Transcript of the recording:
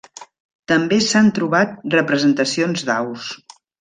També s'han trobat representacions d'aus.